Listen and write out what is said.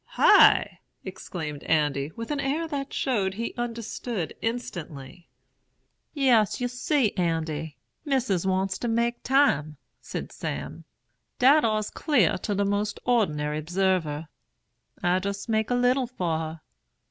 "'High!' exclaimed Andy, with an air that showed he understood instantly. "'Yes, you see, Andy, Missis wants to make time,' said Sam; 'dat ar's cl'ar to der most or'nary 'bserver. I jis make a little for her.